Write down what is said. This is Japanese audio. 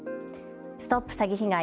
ＳＴＯＰ詐欺被害！